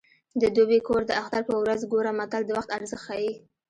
د دوبي کور د اختر په ورځ ګوره متل د وخت ارزښت ښيي